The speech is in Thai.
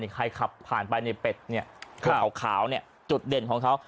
ใครขับผ่านไปในเป็ดเนี่ยขาวจุดเด่นของเขา